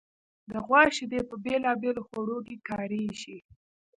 د غوا شیدې په بېلابېلو خوړو کې کارېږي.